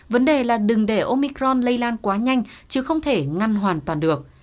vấn đề là đừng để omicron lây lan quá nhanh chứ không thể ngăn hoàn toàn được